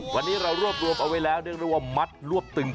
วันนี้เรารวบรวมเอาไว้แล้วเรียกได้ว่ามัดรวบตึง